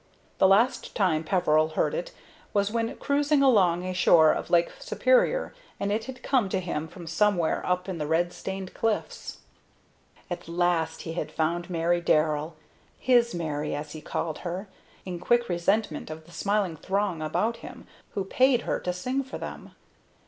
The last time Peveril heard it was when cruising along a shore of Lake Superior, and it had come to him from somewhere up in the red stained cliffs. At last he had found Mary Darrell "his Mary," as he called her in quick resentment of the smiling throng about him, who paid her to sing for them.